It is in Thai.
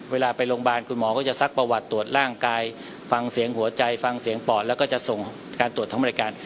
เวลาไปโรงพยาบาลคุณหมอก็จะซักประวัติตรวจร่างกายฟังเสียงหัวใจฟังเสียงปอดแล้วก็จะส่งการตรวจของบริการ